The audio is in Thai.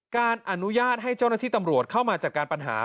การอนุญาตให้เจ้าหน้าที่ตำรวจเข้ามาจัดการปัญหา